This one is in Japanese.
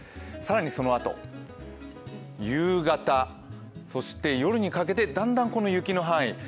更にそのあと、夕方、そして夜にかけてだんだん雪の範囲